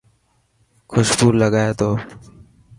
خوشبو لگائي تو.